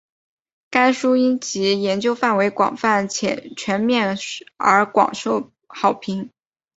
该书因其研究范围广泛且全面而广受好评。